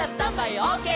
オーケー！」